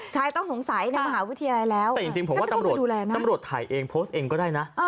ชายต้องสงสัยในมหาวิทยาลัยแล้วแต่จริงผมว่าตำรวจตำรวจถ่ายเองโพสต์เองก็ได้นะ